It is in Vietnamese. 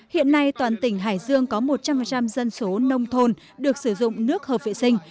hiện nay toàn tỉnh hải dương có một trăm linh dân số nông thôn được sử dụng nước hợp vệ sinh